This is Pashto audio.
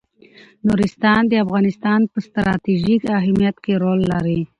نورستان د افغانستان په ستراتیژیک اهمیت کې رول لري.